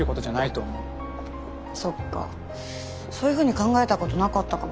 そういうふうに考えたことなかったかも。